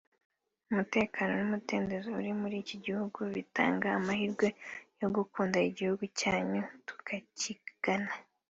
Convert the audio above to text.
umutekano n’umudendezo uri muri iki gihugu bitanga amahirwe yo gukunda igihugu cyanyu tukakigana